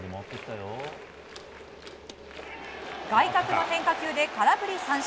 外角の変化球で空振り三振。